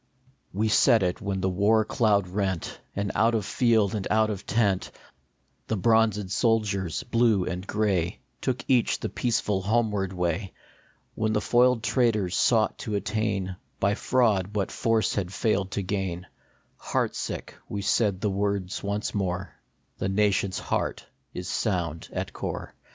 We said it when the war cloud rent, And out of field and out of tent The bronzed soldiers, Blue and Gray, Took each the peaceful homeward way ; When the foiled traitors sought to attain By fraud what force had failed to gain, Heart sick, we said the words once more : "The nation s heart is sound at core."